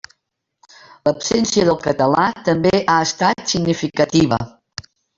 L'absència del català també ha estat significativa.